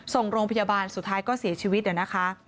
ส่งโรงพยาบาลสุดท้ายก็เสียชีวิตนะคะ